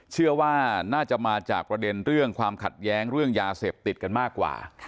เชื่อว่าน่าจะมาจากประเด็นเรื่องความขัดแย้งเรื่องยาเสพติดกันมากกว่า